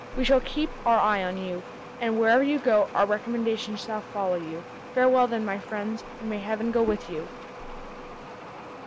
We shall keep our eye on you, and wherever you go, our recommendations shall follow you. Farewell then, my friends, and may Heaven be with you!"